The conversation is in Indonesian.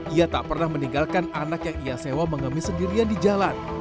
ia tak pernah meninggalkan anak yang ia sewa mengemis sendirian di jalan